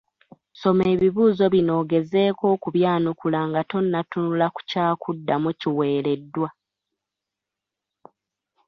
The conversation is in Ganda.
Soma ebibuuzo bino ogezeeko okubyanukula nga tonnatunula ku kyakuddamu kiweereddwa.